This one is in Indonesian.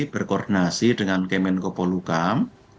berkoordinasi dengan kemenko polukam